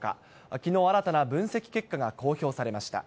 きのう新たな分析結果が公表されました。